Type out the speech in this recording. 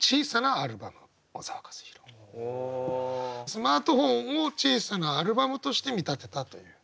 スマートフォンを「小さなアルバム」として見立てたという。